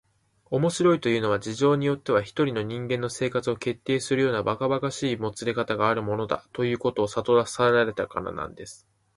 「面白いというのは、事情によっては一人の人間の生活を決定するようなばかばかしいもつれかたがあるものだ、ということをさとらせられるからなんです」